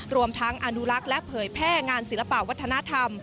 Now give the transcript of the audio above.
รวมทั้งอนุลักษ์และเผยแพร่งานศิลปะวัฒนธรรม